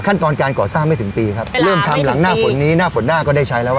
ขั้นตอนการก่อสร้างไม่ถึงปีครับเริ่มทำหลังหน้าฝนนี้หน้าฝนหน้าก็ได้ใช้แล้วอ่ะ